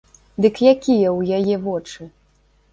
Дык якія ў яе вочы?